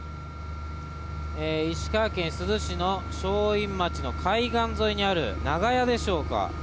石川県珠洲市の正院町の海岸沿いにある長屋でしょうか。